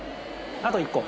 あと１個